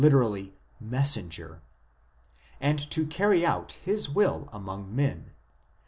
messenger "), and to carry out His will among men.